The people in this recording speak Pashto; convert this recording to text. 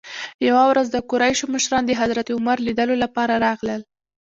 یوې ورځ د قریشو مشران د حضرت عمر لیدلو لپاره راغلل.